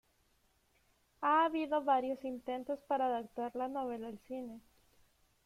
Ha habido varios intentos para adaptar la novela al cine.